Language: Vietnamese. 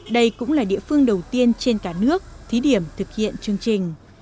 đây cũng là địa phương đầu tiên trên cả nước thí điểm thực hiện chương trình